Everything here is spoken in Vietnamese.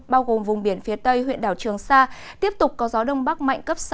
bao gồm vùng biển phía tây huyện đảo trường sa tiếp tục có gió đông bắc mạnh cấp sáu